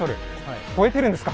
超えてるんですか！